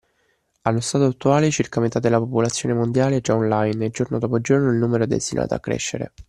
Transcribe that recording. Allo stato attuale circa metà della popolazione mondiale è già online e giorno dopo giorno il numero è destinato a crescere